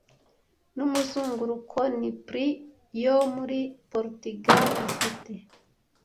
Numuzunguruko ni prix yo muri Porutugali ifite